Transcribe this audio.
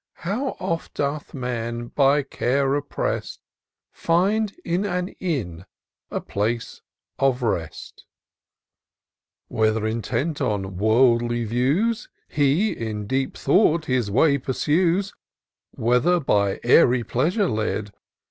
How oft doth man, by care oppress'd, Find in an inn a place of rest ! Whether intent on worldly views, He, in deep thought, his way pursues; Whether by airy pleasure led.